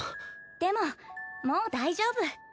でももう大丈夫。